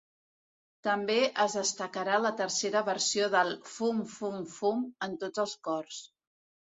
També es destacarà la tercera versió del ‘Fum, fum, fum’ amb tots els cors.